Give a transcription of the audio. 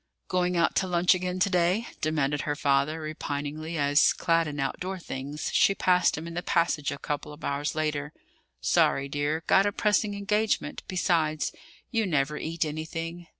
"Going out to lunch again to day?" demanded her father, repiningly, as, clad in outdoor things, she passed him in the passage a couple of hours later. "Sorry, dear; got a pressing engagement. Besides, you never eat anything.